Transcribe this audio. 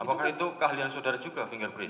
apakah itu keahlian saudara juga fingerprint